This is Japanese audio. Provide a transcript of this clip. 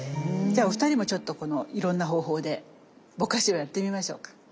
じゃあお二人もちょっとこのいろんな方法でぼかしをやってみましょうか。